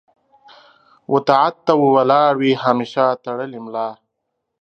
و طاعت و ته ولاړ وي همېشه تړلې ملا